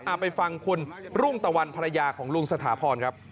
ไปฟังคุณรุ่งตะวันภรรยาของลุงสถาพรครับ